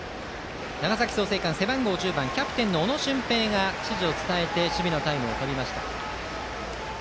長崎・創成館背番号１０番キャプテンの小野隼平が指示を伝えて守備のタイムを取りました。